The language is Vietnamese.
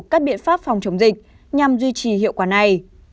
các biện pháp phòng chống dịch nhằm duy trì hiệu quả này